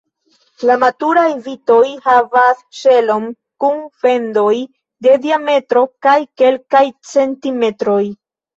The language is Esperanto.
La maturaj vitoj havas ŝelon kun fendoj de diametro de kelkaj centimetroj.